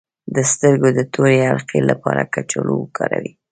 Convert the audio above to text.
د سترګو د تورې حلقې لپاره کچالو وکاروئ